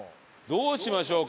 どうしましょうか？